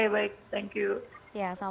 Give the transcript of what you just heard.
baik terima kasih